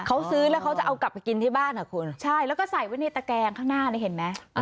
เขาซื้อแล้วเขาจะเอากลับไปกินที่บ้านอ่ะคุณใช่แล้วก็ใส่ไว้ในตะแกงข้างหน้าเลยเห็นไหม